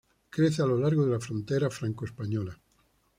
Crece a lo largo de la frontera franco-española.